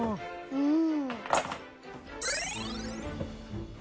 うん。